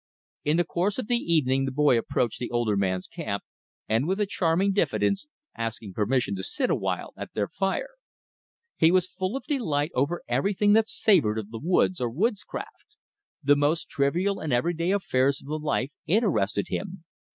In the course of the evening the boy approached the older man's camp, and, with a charming diffidence, asked permission to sit awhile at their fire. He was full of delight over everything that savored of the woods, or woodscraft. The most trivial and everyday affairs of the life interested him.